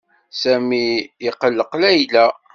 Sami iqelleq Layla.